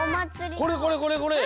これこれこれこれ！